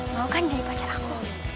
mau kan jadi pacar aku